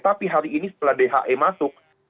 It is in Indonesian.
tapi hari ini setelah dhe masuk